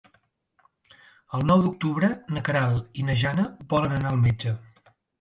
El nou d'octubre na Queralt i na Jana volen anar al metge.